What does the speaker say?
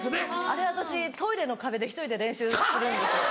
あれ私トイレの壁で１人で練習するんですよ。